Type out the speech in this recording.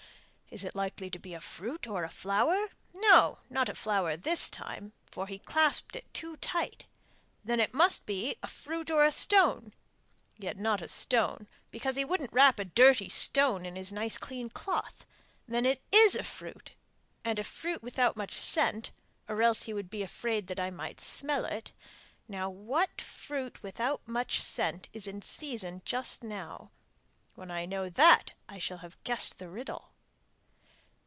'Is it likely to be a fruit or a flower? No, not a flower this time, for he clasped it too tight. Then it must be a fruit or a stone. Yet not a stone, because he wouldn't wrap a dirty stone in his nice clean cloth. Then it is a fruit! And a fruit without much scent, or else he would be afraid that I might smell it. Now what fruit without much scent is in season just now? When I know that I shall have guessed the riddle!